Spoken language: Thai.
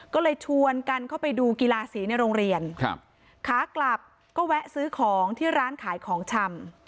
ก็เลยชวนกันเข้าไปดูกีฬาสีในโรงเรียนครับขากลับก็แวะซื้อของที่ร้านขายของชำ